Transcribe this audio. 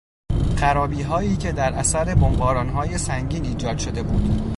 خرابیهایی که در اثر بمبارانهای سنگین ایجاد شده بود